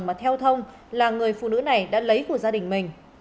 mà theo thông là người phụ nữ này đã lấy của gia đình mình